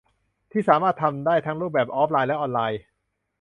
ที่สามารถทำได้ทั้งรูปแบบออฟไลน์และออนไลน์